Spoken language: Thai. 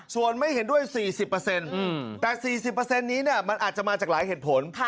ส่วนไม่เห็นด้วย๔๐แต่๔๐นี้มันอาจจะมาจากหลายเหตุผล